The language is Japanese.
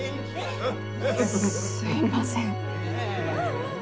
すいません。